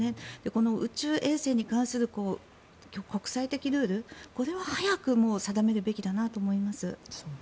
この宇宙衛星に関する国際的ルールこれは早く定めるべきだなと思います。